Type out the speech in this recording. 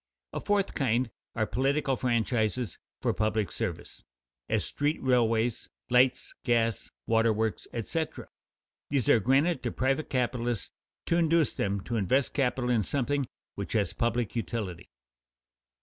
A fourth kind are public franchises for public service, as street railways, lights, gas, waterworks, etc. These are granted to private capitalists to induce them to invest capital in something which has public utility.